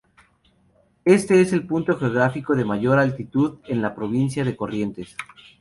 Este es el punto geográfico de mayor altitud en la provincia de Corrientes.